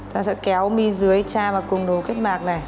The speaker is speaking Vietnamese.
ta sẽ kéo mi dưới cha vào cùng đồ kết mạc này